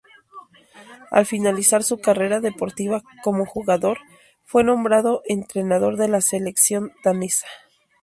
Al finalizar su carrera deportiva como jugador, fue nombrado entrenador de la selección danesa.